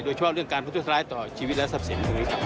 โดยเฉพาะเรื่องการพุทธศร้ายต่อชีวิตและทรัพย์เสมอ